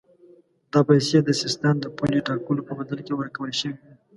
دا پیسې د سیستان د پولې ټاکلو په بدل کې ورکول شوې وې.